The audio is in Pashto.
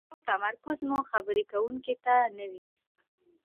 اوسو نو تمرکز مو خبرې کوونکي ته نه وي،